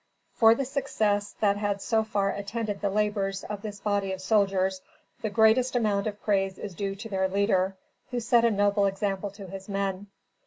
For the success that had so far attended the labors of this body of soldiers, the greatest amount of praise is due to their leader, who set a noble example to his men.